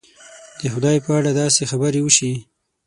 د خدای په اړه داسې خبرې وشي.